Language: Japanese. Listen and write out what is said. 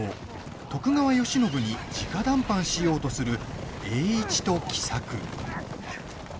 徳川慶喜にじか談判しようとする栄一と喜作。